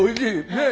ねえ。